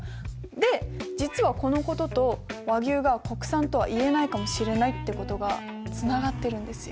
で実はこのことと和牛が国産とは言えないかもしれないってことがつながってるんですよ！